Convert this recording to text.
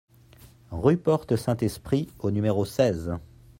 Rue Porte Saint-Esprit au numéro seize